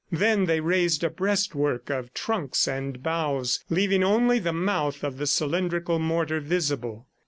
Then they raised a breastwork of trunks and boughs, leaving only the mouth of the cylindrical mortar visible.